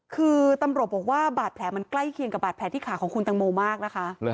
คือตำรวจบอกว่าบาดแผลมันใกล้เคียงกับบาดแผลที่ขาของคุณตังโมมากนะคะ